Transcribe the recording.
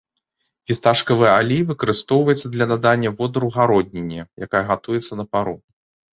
Фісташкавы алей выкарыстоўваецца для надання водару гародніне, якая гатуецца на пару.